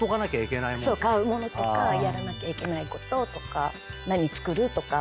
買うものとかやらなきゃいけないこととか何作るとか。